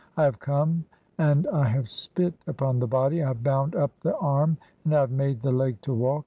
I have "come and I have spit upon the body, I have bound up the "arm, and I have made the leg to walk.